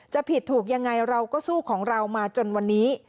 จะผิดถูกยังไงเราก็สู้ของเรามาจนวันนี้